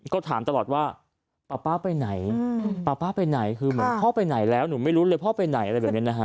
ก็ถามตลอดว่าป๊าป๊าไปไหนคือเหมือนพ่อไปไหนแล้วหนูไม่รู้เลยพ่อไปไหน